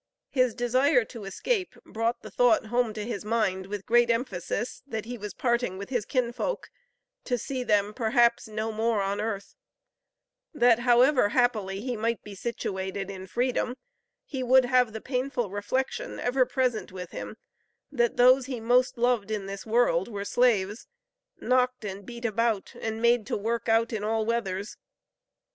His desire to escape brought the thought home to his mind with great emphasis, that he was parting with his kinsfolk, to see them perhaps, no more on earth; that however, happily he might be situated in freedom, he would have the painful reflection ever present with him, that those he most loved in this world, were slaves "knocked and beat about and made to work out in all weathers."